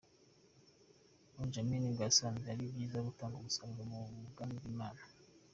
Ramjaane ngo yasanze ari byiza gutanga umusanzu mu bwami bw'Imana.